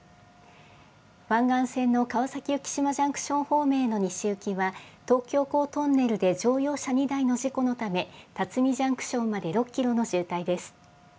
湾岸線の川崎浮島ジャンクション方面への西行きは、東京港トンネルで乗用車２台の事故のため、辰巳ジャンクションまで６キロの渋滞です。